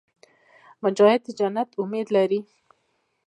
مجاهد د جنت امید لري.